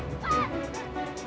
ada gempa kali ya